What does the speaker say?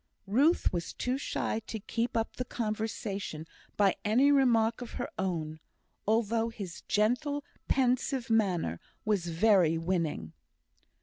Ruth was too shy to keep up the conversation by any remark of her own, although his gentle, pensive manner was very winning.